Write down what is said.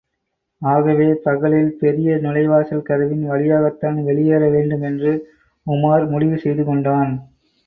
ஆகவே, பகலில் பெரிய நுழைவாசல் கதவின் வழியாகத்தான் வெளியேற வேண்டும் என்று உமார் முடிவு செய்து கொண்டான்.